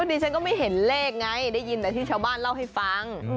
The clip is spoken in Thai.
ดิฉันก็ไม่เห็นเลขไงได้ยินแต่ที่ชาวบ้านเล่าให้ฟัง